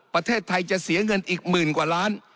ประเทศไทยจะเสียเงินอีกหมื่นกว่าล้าน